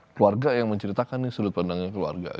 keluarga yang menceritakan nih sudut pandangnya keluarga